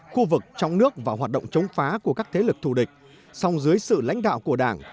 khu vực trong nước và hoạt động chống phá của các thế lực thù địch song dưới sự lãnh đạo của đảng